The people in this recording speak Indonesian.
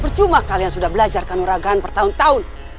percuma kalian sudah belajar kanoragaan bertahun tahun